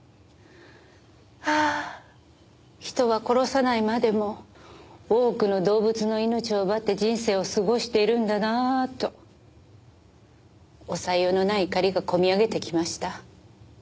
ああ人は殺さないまでも多くの動物の命を奪って人生を過ごしているんだなと抑えようのない怒りが込み上げてきました。